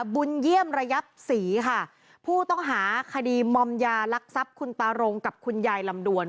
บุญเยี่ยมระยับศรีค่ะผู้ต้องหาคดีมอมยาลักทรัพย์คุณตารงกับคุณยายลำดวน